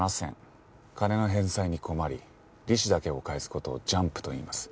金の返済に困り利子だけを返す事をジャンプといいます。